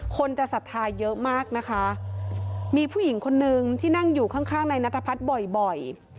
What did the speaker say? คนจะศรัทธาเยอะมากนะคะมีผู้หญิงคนนึงที่นั่งอยู่ข้างข้างในนัทพัฒน์บ่อย